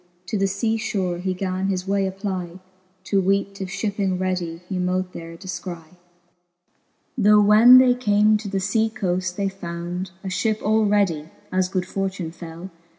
To the lea fhore he gan his way SEpply, To weete if (hipping readie he mote there de{cry. Tho when they came to the fea coaft, they found A fhip all readie, as good fortune fell.